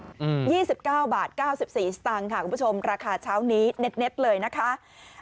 ที่๑๙บาท๙๔สตางค์ค่ะคุณผู้ชมราคาเช้านี้เน็ตเลยนะคะ